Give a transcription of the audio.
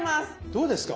どうですか？